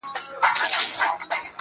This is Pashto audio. د هنرې ښکلا د پنځونې